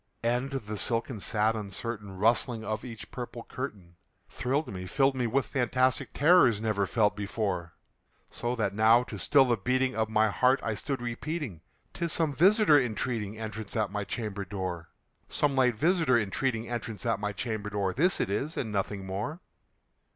And the silken sad uncertain rustling of each purple curtain Thrilled me filled me with fantastic terrors never felt before; So that now, to still the beating of my heart, I stood repeating "'Tis some visitor entreating entrance at my chamber door Some late visitor entreating entrance at my chamber door; This it is and nothing more."